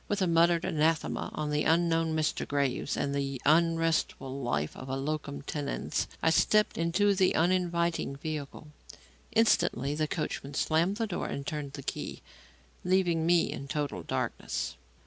With a muttered anathema on the unknown Mr. Graves and the unrestful life of a locum tenens, I stepped into the uninviting vehicle. Instantly the coachman slammed the door and turned the key, leaving me in total darkness.